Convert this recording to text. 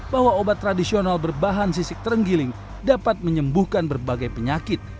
bahwa obat tradisional berbahan sisik terenggiling dapat menyembuhkan berbagai penyakit